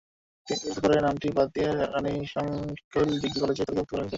কিন্তু পরে নামটি বাদ দিয়ে রানীশংকৈল ডিগ্রি কলেজকে তালিকাভুক্ত করা হয়েছে।